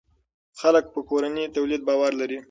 خلک په کورني تولید باور لري.